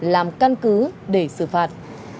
làm căn cứ để xử phạt